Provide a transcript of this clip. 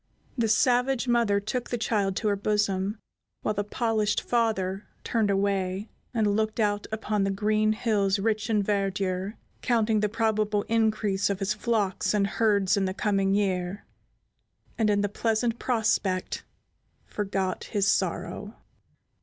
The savage mother took the child to her bosom, while the polished father turned away and looked out upon the green hills rich in verdure, counting the probable increase of his flocks and herds in the coming year, and, in the pleasant prospect, forgot his sorrow.